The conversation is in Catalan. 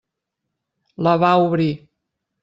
La va obrir.